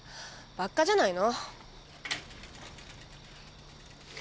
バッカじゃないの。